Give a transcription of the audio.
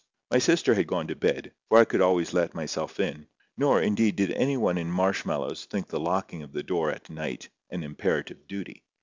My sister had gone to bed, for I could always let myself in; nor, indeed, did any one in Marshmailows think the locking of the door at night an imperative duty.